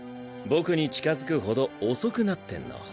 僕に近づくほど遅くなってんの。